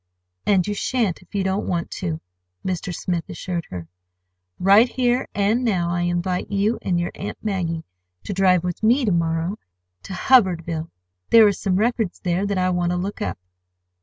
"And you shan't, if you don't want to," Mr. Smith assured her. "Right here and now I invite you and your Aunt Maggie to drive with me to morrow to Hubbardville. There are some records there that I want to look up.